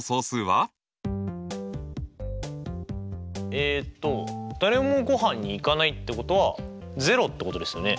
えっと誰もごはんに行かないってことは０ってことですよね。